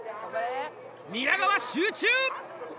宮川集中！